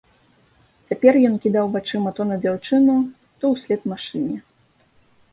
Цяпер ён кідаў вачыма то на дзяўчыну, то ўслед машыне.